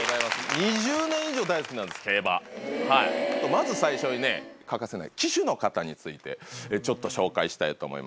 まず最初にね。の方についてちょっと紹介したいと思います。